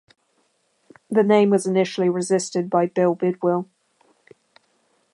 The name was initially resisted by Bill Bidwill.